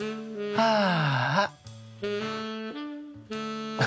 ああ。